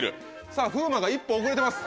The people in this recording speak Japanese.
さぁ風磨が一歩遅れてます